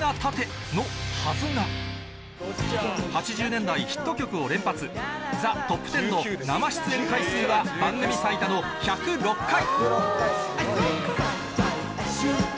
８０年代ヒット曲を連発『ザ・トップテン』の生出演回数は番組最多の１０６回